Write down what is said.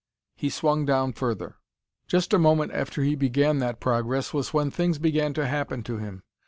He swung down further. Just a moment after he began that progress was when things began to happen to him.